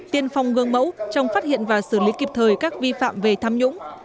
tiên phong gương mẫu trong phát hiện và xử lý kịp thời các vi phạm về tham nhũng